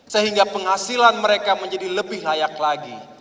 sehingga penghasilan mereka menjadi lebih layak lagi